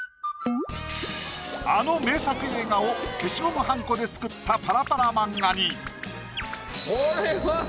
あの名作映画を消しゴムはんこで作ったパラパラ漫画に。